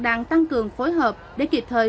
đang tăng cường phối hợp để kịp thời